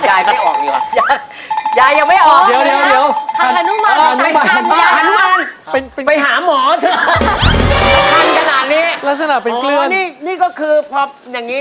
เจ้าเพื่อนนี่นะครับอ๋อคนอื่นเจ้าเพื่อนนี่น